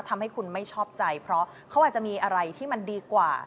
ทำให้คุณไม่ชอบใจเพราะเขาอาจจะมีอะไรที่มันดีกว่า